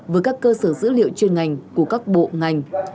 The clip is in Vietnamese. với các cơ sở dữ liệu chuyên ngành của các bộ ngành